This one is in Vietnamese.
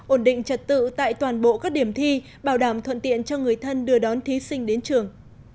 ổn định trật tự tại toàn bộ các điểm thi bảo đảm thuận tiện cho người thân đưa đón thí sinh đến trường